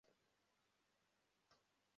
umukozi w'intara gutema igiti